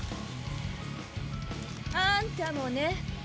あんたもね。